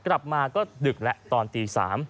กลับมาก็ดึกแล้วตอนตี๓